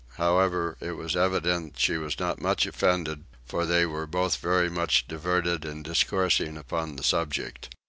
However it was evident she was not much offended for they were both very much diverted in discoursing upon the subject.